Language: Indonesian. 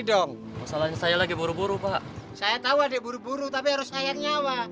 dong masalahnya saya lagi buru buru pak saya tahu adik buru buru tapi harus naik nyawa